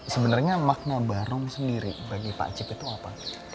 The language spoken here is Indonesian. sebenarnya makna barong sendiri bagi pak cip itu apa